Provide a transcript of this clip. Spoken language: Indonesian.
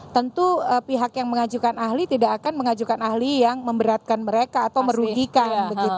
tentu pihak yang mengajukan ahli tidak akan mengajukan ahli yang memberatkan mereka atau merugikan